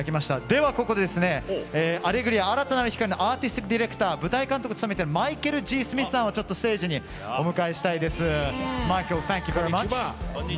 ではここで「アレグリア‐新たなる光‐」のアーティスティックディレクター舞台監督を務めているマイケル・Ｇ．スミスさんをステージにお迎えしたいです。